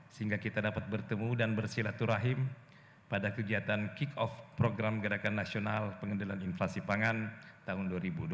sehingga kita dapat bertemu dan bersilaturahim pada kegiatan kick off program gerakan nasional pengendalian inflasi pangan tahun dua ribu dua puluh tiga